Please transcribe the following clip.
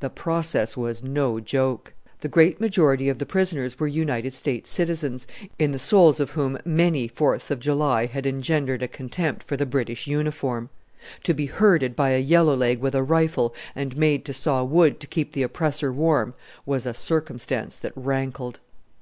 the process was no joke. The great majority of the prisoners were United States citizens, in the souls of whom many fourths of July had engendered a contempt for the British uniform. To be herded by a yellow leg with a rifle, and made to saw wood to keep the oppressor warm, was a circumstance that rankled.